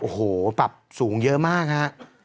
โอ้โหปรับสูงเยอะมากฮะ